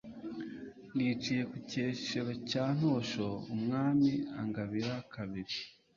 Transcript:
niciye ku Cyeshero cya Ntosho, umwami angabira kabiri